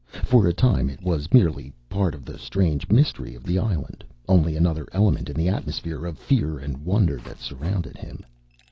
For a time it was merely part of the strange mystery of the island, only another element in the atmosphere of fear and wonder that surrounded him.